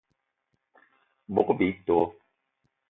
Bogb-ito